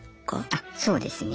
あそうですね。